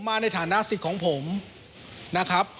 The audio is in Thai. ฉันมาในฐานะศิษย์ของผมนะครับ